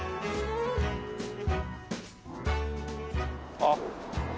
あっ。